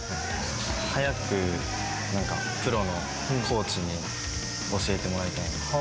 早くプロのコーチに教えてもらいたいなと。